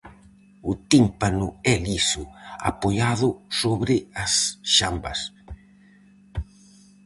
O tímpano é liso, apoiado sobre as xambas.